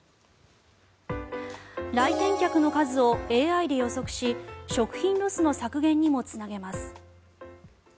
来店客の数をＡＩで予測し食品ロスの削減にもつなげます。